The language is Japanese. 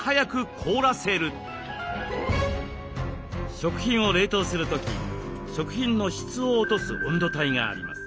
食品を冷凍する時食品の質を落とす温度帯があります。